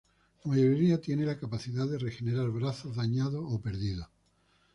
La mayoría tiene la capacidad de regenerar brazos dañados o perdidos.